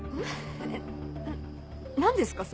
え何ですか？